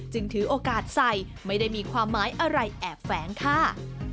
ถือโอกาสใส่ไม่ได้มีความหมายอะไรแอบแฝงค่ะ